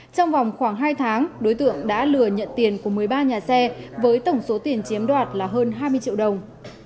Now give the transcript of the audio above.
trong vòng khoảng hai tháng đối tượng đã lừa nhận tiền của một mươi ba nhà xe với tổng số tiền chiếm đoạt là hơn hai mươi triệu đồng